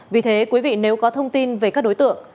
vì thế quý vị nếu có thông tin về các đối tượng